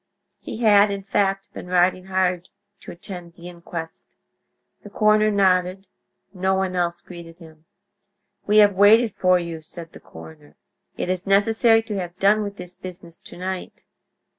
He had, in fact, been riding hard to attend the inquest. The coroner nodded; no one else greeted him. "We have waited for you," said the coroner. "It is necessary to have done with this business to night."